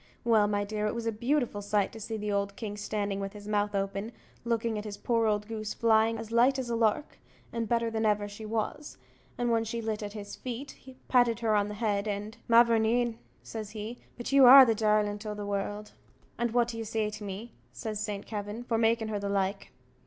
Well, my dear, it was a beautiful sight to see the king standing with his mouth open, looking at his poor old goose flying as light as a lark, and better than ever she was; and when she lit at his feet, patted her on the head, and "Ma vourneen," says he "but you are the darlint o' the world." "And what do you say to me," says Saint Kavin, "for making her the like?"